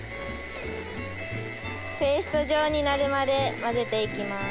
ペースト状になるまで混ぜていきます。